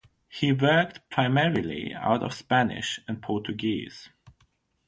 He worked primarily out of Spanish and Portuguese.